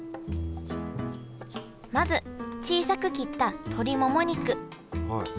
まず小さく切った鶏もも肉。